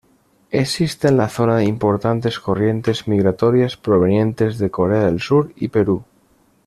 Existen en la zona importantes corrientes migratorias provenientes de Corea del Sur y Perú.